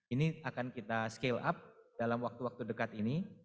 ini akan kita scale up dalam waktu waktu dekat ini